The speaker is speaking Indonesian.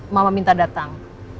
mama minta datang